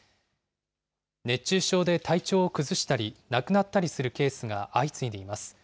熱中症で体調を崩したり、亡くなったりするケースが相次いでいます。